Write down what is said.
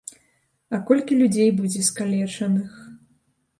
А колькі людзей будзе скалечаных.